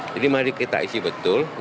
jadi mari kita isi betul